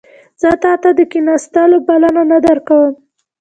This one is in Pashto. زه تا ته د کښیناستلو بلنه نه درکوم